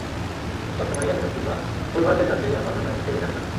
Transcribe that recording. কিন্তু সবসময়েই অ্যাভিনিউ কিংবা ব্যুলভার্দের কাছে আমার জন্য একটা টেবিল রাখা থাকত।